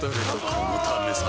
このためさ